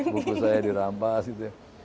buku saya dirampas gitu ya